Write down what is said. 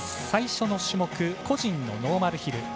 最初の種目、個人のノーマルヒル。